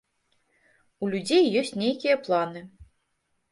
У людзей ёсць нейкія планы.